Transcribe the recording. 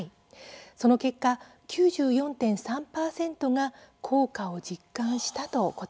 その結果、９４．３％が効果を実感したと答えたそうです。